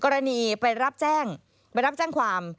กรณีไปรับแจ้งความ